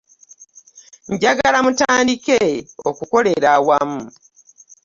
Njagala mutandike okukolera awamu.